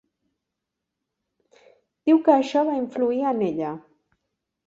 Diu que això va influir en ella.